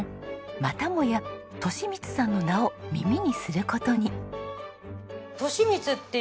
またもや利光さんの名を耳にする事に。